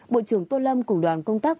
bộ trưởng tô lâm cùng đoàn công tác